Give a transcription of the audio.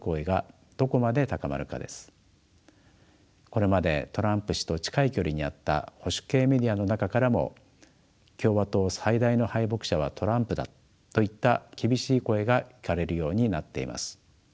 これまでトランプ氏と近い距離にあった保守系メディアの中からも共和党最大の敗北者はトランプだといった厳しい声が聞かれるようになっています。